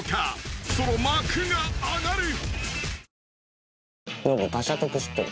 ［その幕が上がる］